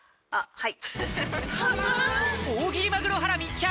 ・はい！